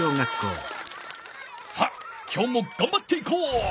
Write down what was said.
さあきょうもがんばっていこう！